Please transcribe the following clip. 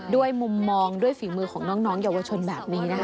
มุมมองด้วยฝีมือของน้องเยาวชนแบบนี้นะคะ